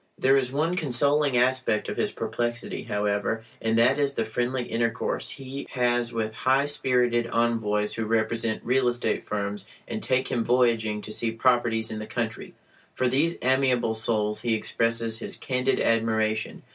There is one consoling aspect of his perplexity, however, and that is the friendly intercourse he has with high spirited envoys who represent real estate firms and take him voyaging to see "properties" in the country. For these amiable souls he expresses his candid admiration.